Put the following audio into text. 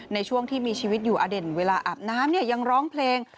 ในช่วงที่มีชีวิตอยู่อเด่นเวลาอาบน้ำเนี่ยยังร้องเพลง